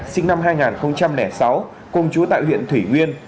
sinh năm hai nghìn sáu cùng chú tại huyện thủy nguyên